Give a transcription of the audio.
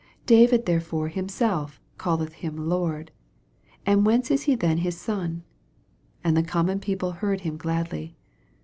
87 David therefore himself calleth him Lord ; and whence is he then his eon ? And the common people heard him gladly.